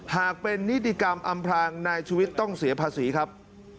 หากเป็นนิติกรรมอำพลางนายชุวิตต้องเสียภาษีครับ